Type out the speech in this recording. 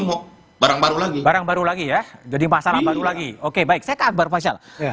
barang baru lagi barang baru lagi ya jadi masalah baru lagi oke baik saya ke akbar faisal